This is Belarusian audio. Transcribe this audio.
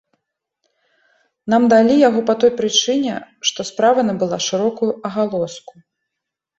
Нам далі яго па той прычыне, што справа набыла шырокую агалоску.